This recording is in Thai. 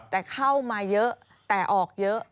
แต่เข้ามาเยอะแต่ออกเยอะ